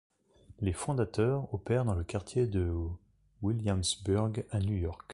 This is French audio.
Les fondateurs opèrent dans le quartier de Williamsburg à New York.